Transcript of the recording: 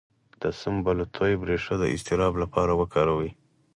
د سنبل الطیب ریښه د اضطراب لپاره وکاروئ